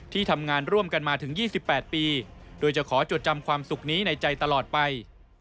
ที่ทำงานร่วมกันมาถึง๒๘ปีโดยจะขอจดจำความสุขนี้ในใจตลอดไป